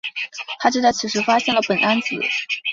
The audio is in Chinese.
他就在此时发现了苯胺紫。